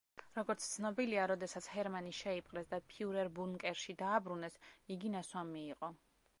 როგორც ცნობილია, როდესაც ჰერმანი შეიპყრეს და ფიურერბუნკერში დააბრუნეს, იგი ნასვამი იყო.